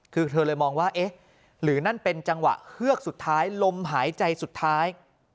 คือเธอเลยมองว่าเอ๊ะหรือนั่นเป็นจังหวะเฮือกสุดท้ายลมหายใจสุดท้าย